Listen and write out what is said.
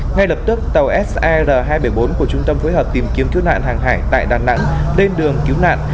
ngay lập tức tàu sar hai trăm bảy mươi bốn của trung tâm phối hợp tìm kiếm cứu nạn hàng hải tại đà nẵng lên đường cứu nạn